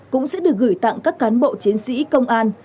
cũng sẽ được gửi tặng các cán bộ chiến sĩ công an